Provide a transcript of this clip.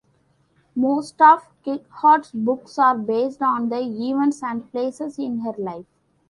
Most of Kehret's books are based on events and places in her life.